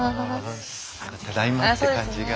ただいまって感じがしますね。